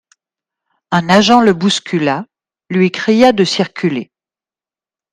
Un agent le bouscula, lui cria de circuler.